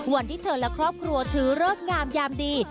วันที่เธอและครอบครัวถือเลิกงามยามดี